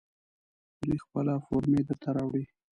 دوی خپله فورمې درته راوړي.